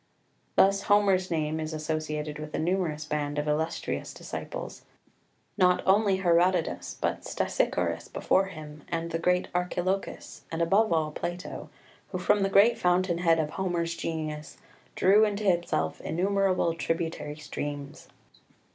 3 Thus Homer's name is associated with a numerous band of illustrious disciples not only Herodotus, but Stesichorus before him, and the great Archilochus, and above all Plato, who from the great fountain head of Homer's genius drew into himself innumerable tributary streams.